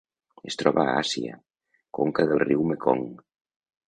Es troba a Àsia: conca del riu Mekong.